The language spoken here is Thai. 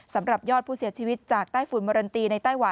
สำหรับยอดผู้เสียชีวิตจากไต้ฝุ่นเมอรันตี